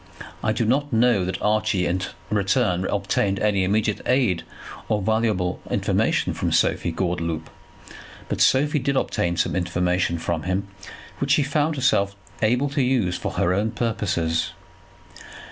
I do not know that Archie in return obtained any immediate aid or valuable information from Sophie Gordeloup; but Sophie did obtain some information from him which she found herself able to use for her own purposes.